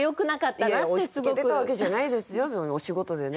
いやいや押しつけてたわけじゃないですよお仕事でね。